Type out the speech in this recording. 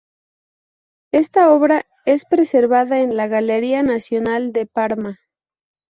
Esta obra es preservada en la Galería Nacional de Parma.